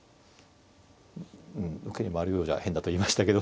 うん受けに回るようじゃ変だと言いましたけど。